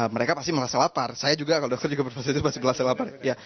mereka pasti merasa lapar saya juga kalau dokter berpuasa itu pasti merasa lapar